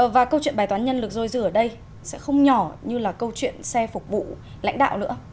và câu chuyện bài toán nhân lực dôi dư ở đây sẽ không nhỏ như là câu chuyện xe phục vụ lãnh đạo nữa